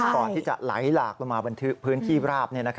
ก่อนที่จะไหลหลากลงมาบันทึกพื้นที่ราบ